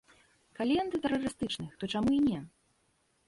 Калі антытэрарыстычных, то чаму і не?